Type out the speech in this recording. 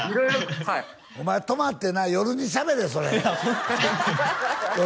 お前泊まってな夜にしゃべれそれいや